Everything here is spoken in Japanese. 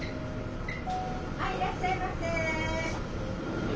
はいいらっしゃいませ。